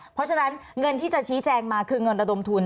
เพราะฉะนั้นเงินที่จะชี้แจงมาคือเงินระดมทุน